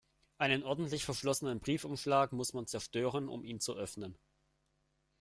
Einen ordentlich verschlossenen Briefumschlag muss man zerstören, um ihn zu öffnen.